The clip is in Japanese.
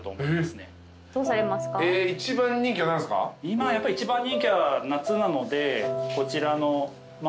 今やっぱり一番人気は夏なのでこちらの茨城県産のメロン。